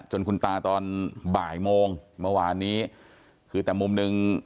คุณตาตอนบ่ายโมงเมื่อวานนี้คือแต่มุมหนึ่ง